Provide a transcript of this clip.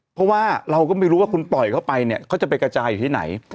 เพราะว่าเราก็ไม่รู้ว่าคุณปล่อยเข้าไปเนี่ยเขาจะไปกระจายอยู่ที่ไหน